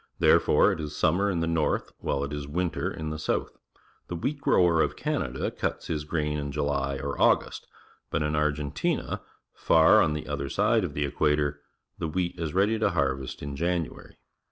Therefore it is summer in the north while it is winter in the sj>utli. The wheat grower of Canada cuts his grain in July or August, but in Argentina, far on the other side of the equator, the wheat is ready to han^est in January.